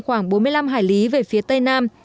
khoảng bốn mươi năm hải lý về phía tây nam